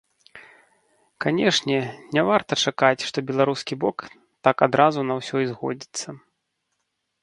Канешне, не варта чакаць, што беларускі бок так адразу на ўсё і згодзіцца.